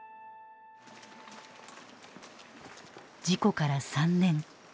事故から３年。